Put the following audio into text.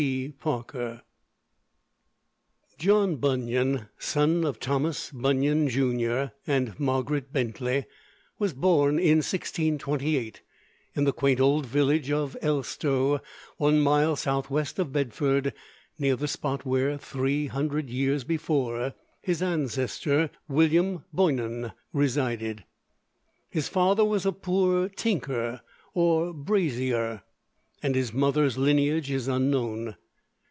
PARKER John Bunyan, son of Thomas Bunnionn Junior and Margaret Bentley, was born 1628, in the quaint old village of Elstow, one mile southwest of Bedford, near the spot where, three hundred years before, his ancestor William Boynon resided. His father was a poor tinker or "braseyer," and his mother's lineage is unknown.